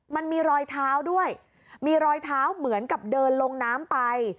มันมีรอยเท้าด้วยมีรอยเท้าเหมือนกับเดินลงน้ำไป